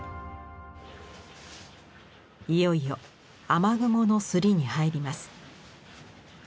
いよいよ雨雲の摺りに入ります。